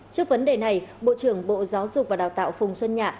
trước vấn đề này bộ trưởng bộ giáo dục và đào tạo phùng xuân nhạ